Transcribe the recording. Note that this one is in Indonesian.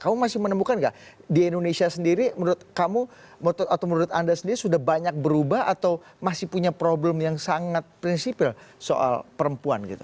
kamu masih menemukan nggak di indonesia sendiri menurut kamu atau menurut anda sendiri sudah banyak berubah atau masih punya problem yang sangat prinsipil soal perempuan gitu